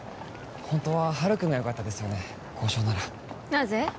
本当はハルくんがよかったですよね交渉ならなぜ？